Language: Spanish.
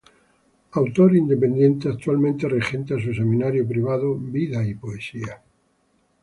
Autor independiente, actualmente regenta su seminario privado Vida y Poesía.